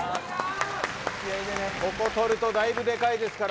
ここ取るとだいぶでかいですから。